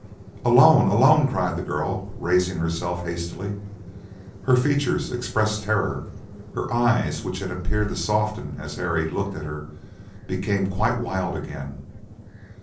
"Alone! alone!" cried the girl, raising herself hastily. Her features expressed terror; her eyes, which had appeared to soften as Harry looked at her, became quite wild again.